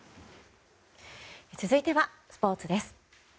続いてはスポーツです。